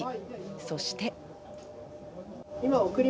そして。